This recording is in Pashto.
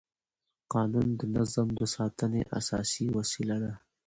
قانون د نظم د ساتنې اساسي وسیله ده.